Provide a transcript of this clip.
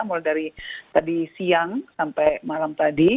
mulai dari tadi siang sampai malam tadi